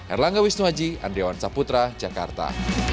erlangga wisnuaji andriawan saputra jakarta